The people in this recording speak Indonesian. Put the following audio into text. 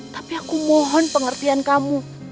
tapi aku mohon pengertian kamu